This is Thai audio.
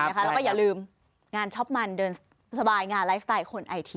แล้วก็อย่าลืมงานช็อปมันเดินสบายงานไลฟ์สไตล์คนไอที